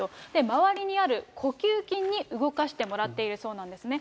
周りにある呼吸筋に動かしてもらってるそうなんですね。